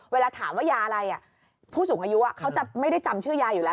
เวลาถามว่ายาอะไรผู้สูงอายุเขาจะไม่ได้จำชื่อยาอยู่แล้ว